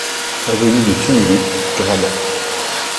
Avenue du Tumulus, Gramat